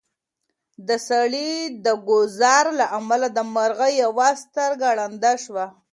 د سړي د ګوزار له امله د مرغۍ یوه سترګه ړنده شوه.